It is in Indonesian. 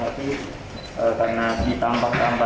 untuk saya yang biasa berubah